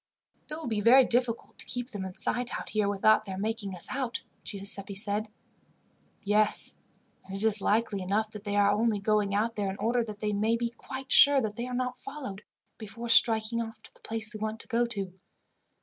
"It will be very difficult to keep them in sight out here without their making us out," Giuseppi said. "Yes, and it is likely enough that they are only going out there in order that they may be quite sure that they are not followed, before striking off to the place they want to go to.